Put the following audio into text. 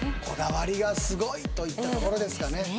こだわりがすごいといったところですかね